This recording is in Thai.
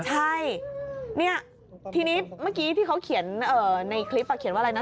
ใช่เนี่ยทีนี้เมื่อกี้ที่เขาเขียนในคลิปเขียนว่าอะไรนะ